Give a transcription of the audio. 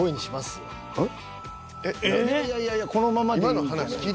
いやいやいやこのままでいい。